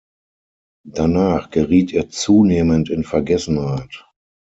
Danach geriet er zunehmend in Vergessenheit.